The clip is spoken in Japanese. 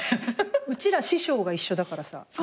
うちら師匠が一緒だからさ。